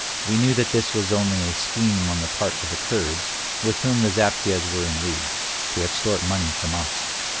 We knew that this was only a scheme on the part of the Kurds, with whom the zaptiehs were in league, to extort money from us.